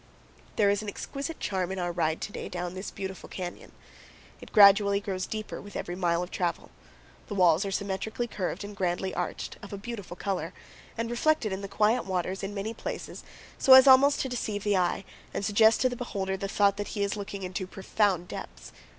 There is an exquisite charm in our ride to day down this beautiful canyon. It gradually grows deeper with every mile of travel; the walls are symmetrically curved and grandly arched, of a beautiful color, and reflected in the quiet waters in many places so as almost to deceive the eye and suggest to the beholder the thought that he is looking into profound depths.